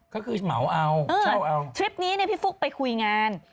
ก็คือเหมาเอาเช่าเอาทริปนี้เนี่ยพี่ฟุ๊กไปคุยงาน